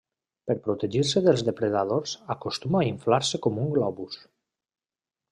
Per a protegir-se dels depredadors acostuma a inflar-se com un globus.